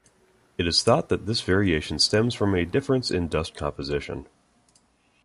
It is thought that this variation stems from a difference in dust composition.